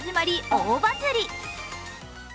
大バズり。